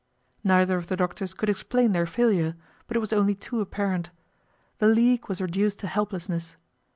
Neither of the doctors could explain their failure, but it was only too apparent. The league was reduced to helplessness.